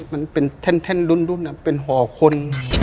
มันเป็นแท่นแท่นดุ้นดุ้นอ่ะเป็นห่อคน